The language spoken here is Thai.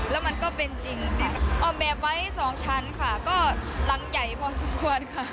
แล้วมันก็เป็นจริงออกแบบไว้สองชั้นค่ะก็รังใหญ่พอสมควรค่ะ